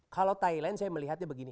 kalau thailand saya melihatnya begini